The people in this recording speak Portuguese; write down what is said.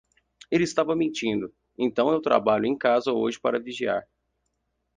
Ele estava mentindo, então eu trabalho em casa hoje para vigiar.